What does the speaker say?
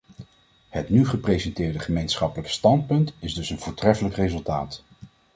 Het nu gepresenteerde gemeenschappelijk standpunt is dus een voortreffelijk resultaat.